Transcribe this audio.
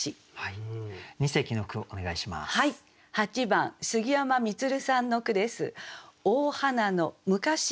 ８番杉山満さんの句です。